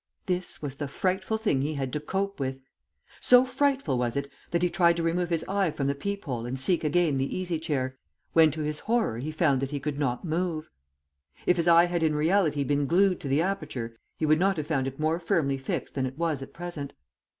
This was the frightful thing he had to cope with! So frightful was it that he tried to remove his eye from the peep hole, and seek again the easy chair, when to his horror he found that he could not move. If his eye had in reality been glued to the aperture, he would not have found it more firmly fixed than it was at present.